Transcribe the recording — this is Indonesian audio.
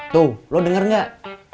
tuh lu denger gak